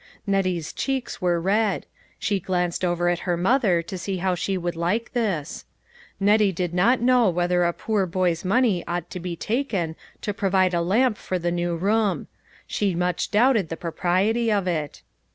Nettie's cheeks were red. She glanced over at her mother to see how she would like this. Nettie did not know whether a poor boy's money ought to be taken to provide a lamp for the new room ; she much doubted the propriety of it.